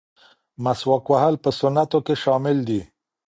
مسواک وهل په سنتو کې شامل دي.